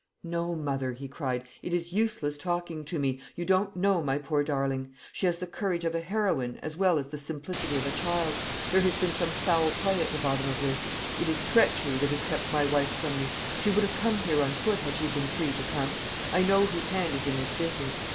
"No, mother!" he cried; "it is useless talking to me. You don't know my poor darling. She has the courage of a heroine, as well as the simplicity of a child. There has been some foul play at the bottom of this; it is treachery that has kept my wife from me. She would have come here on foot, had she been free to come. I know whose hand is in this business.